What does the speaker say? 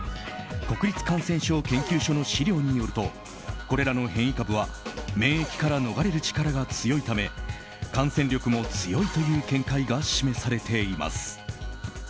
国立感染症研究所の資料によるとこれらの変異株は免疫から逃れる力が強いため感染力も強いという見解が示されています。